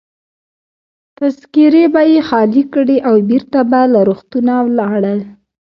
تذکیرې به يې خالي کړې او بیرته به له روغتونه ولاړل.